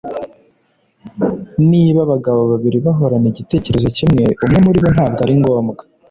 niba abagabo babiri bahorana igitekerezo kimwe, umwe muribo ntabwo ari ngombwa